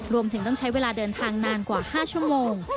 รวมถึงต้องใช้เวลาเดินทางนานกว่า๕ชั่วโมง